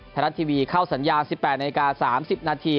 ไทยรัฐทีวีเข้าสัญญา๑๘นาที๓๐นาที